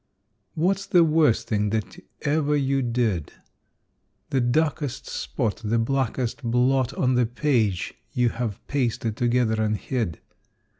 What's the worst thing that ever you did? The darkest spot, The blackest blot On the page you have pasted together and hid?